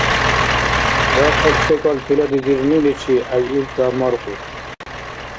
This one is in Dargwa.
Дахъал секӀал тиладидирниличи гӀяйибтамаркьуд.